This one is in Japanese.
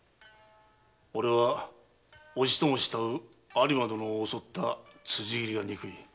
俺は伯父とも慕う有馬殿を襲った辻斬りが憎い。